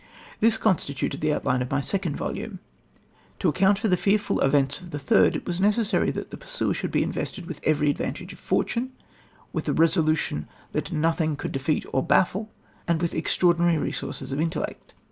This constituted the outline of my second volume... To account for the fearful events of the third it was necessary that the pursuer should be invested with every advantage of fortune, with a resolution that nothing could defeat or baffle and with extraordinary resources of intellect.